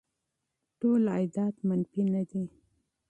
ټول عایدات منفي نه دي.